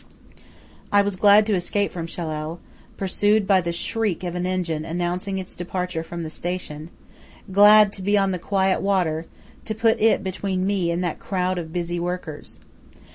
I was glad to escape from Shellal, pursued by the shriek of an engine announcing its departure from the station, glad to be on the quiet water, to put it between me and that crowd of busy workers.